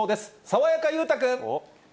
爽やか裕太君。